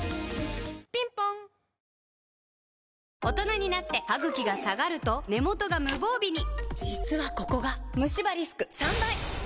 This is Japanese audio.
大人になってハグキが下がると根元が無防備に実はここがムシ歯リスク３倍！